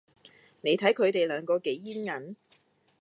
你睇佢地兩個幾煙韌